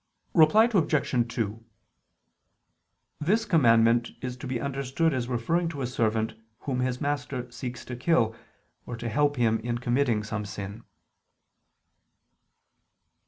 Reply Obj. 2: This commandment is to be understood as referring to a servant whom his master seeks to kill, or to help him in committing some sin.